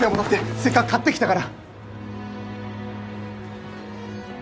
せっかく買ってきたから。